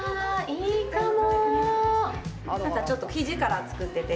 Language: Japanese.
いいかも。